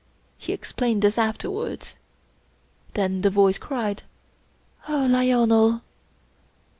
He explained this afterwards. Then the voice cried :" Oh Lionel